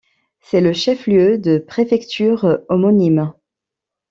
C'est le chef-lieu de préfecture homonyme.